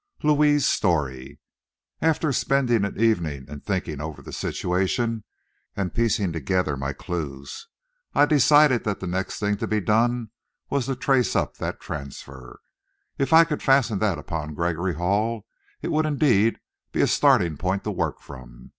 LOUIS'S STORY After spending an evening in thinking over the situation and piecing together my clues, I decided that the next thing to be done was to trace up that transfer. If I could fasten that upon Gregory Hall, it would indeed be a starting point to work from.